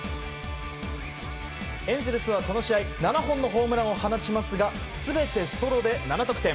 エンゼルスは、この試合７本のホームランを放ちますが全てソロで７得点。